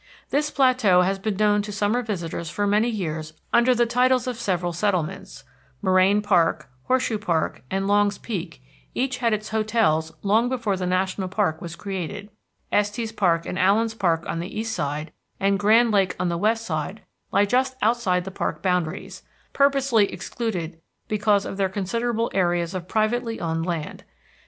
This plateau has been known to summer visitors for many years under the titles of several settlements; Moraine Park, Horseshoe Park, and Longs Peak, each had its hotels long before the national park was created; Estes Park and Allen's Park on the east side, and Grand Lake on the west side lie just outside the park boundaries, purposely excluded because of their considerable areas of privately owned land.